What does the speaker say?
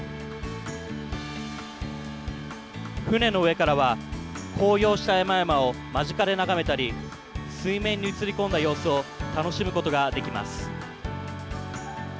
船の上からは紅葉した山々を間近で眺めたり水面に映り込んだ様子を楽しむことができます。